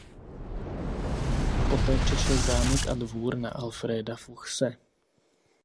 Poté přešel zámek a dvůr na Alfréda Fuchse.